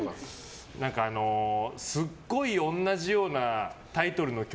すごい同じようなタイトルの曲